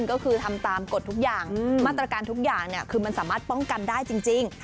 ก็คือทำตามกฎทุกอย่างมาตรการทุกอย่างคือมันสามารถป้องกันได้จริง